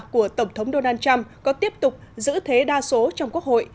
của tổng thống donald trump có tiếp tục giữ thế đa số trong quốc hội